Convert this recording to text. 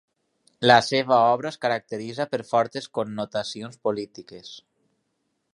La seva obra es caracteritza per fortes connotacions polítiques.